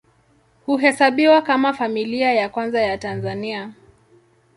Huhesabiwa kama Familia ya Kwanza ya Tanzania.